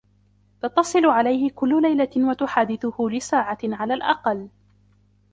تتصل عليه كل ليلة وتحادثه لساعة على الأقل.